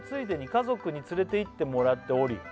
「家族に連れて行ってもらっており」